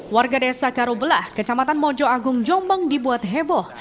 warga desa karubelah kecamatan mojo agung jombang dibuat heboh